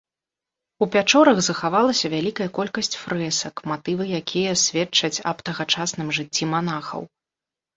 У пячорах захавалася вялікая колькасць фрэсак, матывы якія сведчаць аб тагачасным жыцці манахаў.